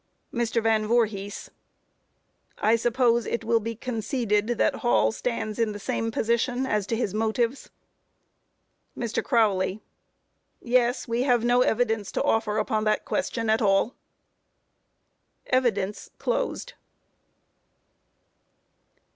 MR. VAN VOORHIS: I suppose it will be conceded that Hall stands in the same position as to his motives? MR. CROWLEY: Yes; we have no evidence to offer upon that question at all. _Evidence closed.